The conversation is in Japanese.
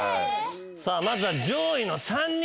まずは上位の３人。